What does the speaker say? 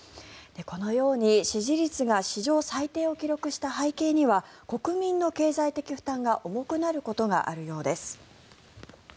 このように、支持率が史上最低を記録した背景には国民の経済的負担が重くなることがあるようです。